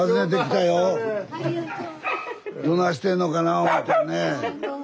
どないしてるのかな思てね。